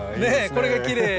これがきれい。